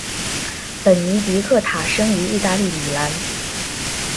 本尼迪克塔生于意大利米兰。